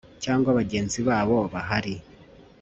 cyangwa bagenzi babo bahari